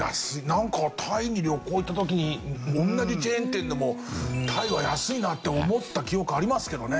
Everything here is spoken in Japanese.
なんかタイに旅行行った時に同じチェーン店でもタイは安いなって思った記憶ありますけどね。